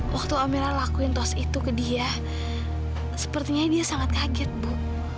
waktu amela lakuin taos itu ke dia sepertinya dia sangat kaget bu